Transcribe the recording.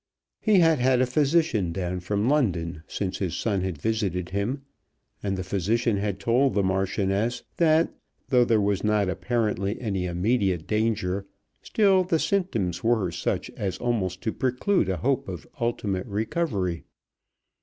He had had a physician down from London since his son had visited him, and the physician had told the Marchioness that though there was not apparently any immediate danger, still the symptoms were such as almost to preclude a hope of ultimate recovery.